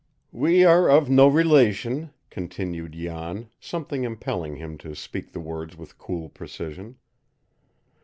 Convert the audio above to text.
"We are of no relation," continued Jan, something impelling him to speak the words with cool precision.